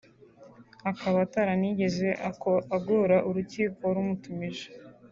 akaba ataranigeze agora urukiko rumutumije